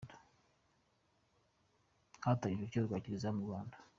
Hatangijwe urukiko rwa Kiliziya mu Rwanda.